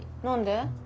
何で？